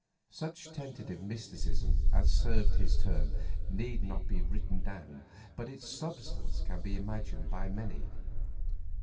Such tentative mysticism as served his turn need not be written down, but its substance can be imagined by many.